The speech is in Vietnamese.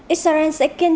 israel sẽ kiên trì